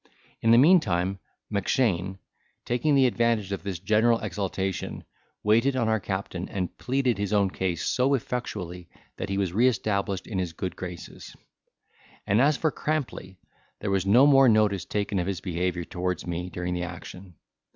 In the meantime, Mackshane, taking the advantage of this general exultation, waited on our captain, and pleaded his own cause so effectually that he was re established in his good graces; and as for Crampley, there was no more notice taken of his behaviour towards me during the action.